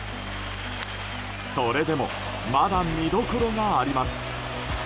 それでもまだ見どころがあります。